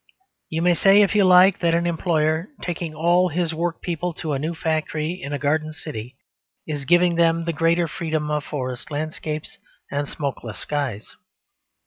You may say if you like that an employer, taking all his workpeople to a new factory in a Garden City, is giving them the greater freedom of forest landscapes and smokeless skies.